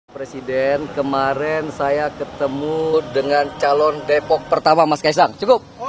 presiden kemarin saya ketemu dengan calon depok pertama mas kaisang cukup